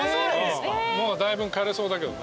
だいぶん枯れそうだけどね。